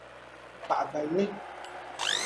paɣa balli.